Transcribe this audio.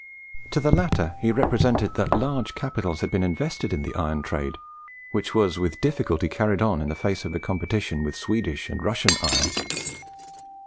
To the latter he represented that large capitals had been invested in the iron trade, which was with difficulty carried on in the face of the competition with Swedish and Russian iron.